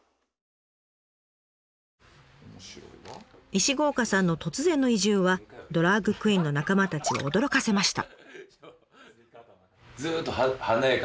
石郷岡さんの突然の移住はドラァグクイーンの仲間たちを驚かせました。